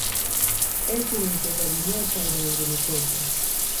essi ni mchezaji nyota ulimwenguni kote